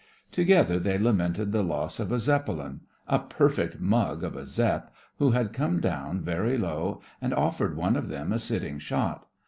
Together they lamented the loss of a Zeppelin — "a perfect mug of a Zepp," who had come down very low and offered one of them a sitting shot.